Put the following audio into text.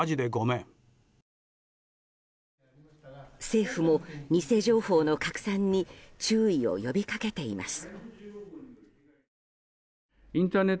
政府も、偽情報の拡散に注意を呼び掛けています。